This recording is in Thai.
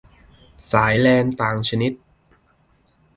สายแลนต่างชนิด